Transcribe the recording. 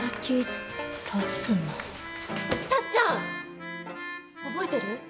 タッちゃん！覚えてる？